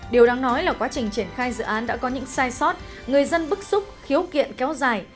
điều đáng nói là quá trình triển khai dự án đã có những sai sót người dân bức xúc khiếu kiện kéo dài